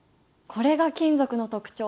これが金属の特徴